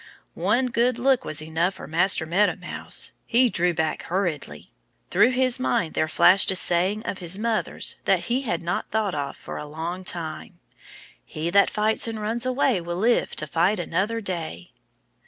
One good look was enough for Master Meadow Mouse. He drew back hurriedly. Through his mind there flashed a saying of his mother's that he had not thought of for a long time: "He that fights and runs away will live to fight another day."